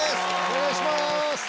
お願いします。